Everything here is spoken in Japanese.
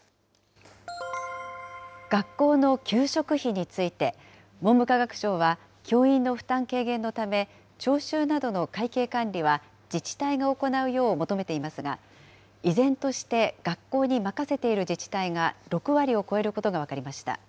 学校の給食費について、文部科学省は、教員の負担軽減のため、徴収などの会計管理は自治体が行うよう求めていますが、依然として学校に任せている自治体が６割を超えることが分かりました。